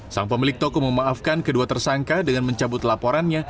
sang pemilik toko memaafkan kedua tersangka dengan mencabut laporannya